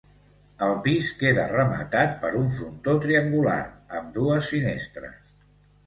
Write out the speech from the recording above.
El pis queda rematat per un frontó triangular, amb dues finestres.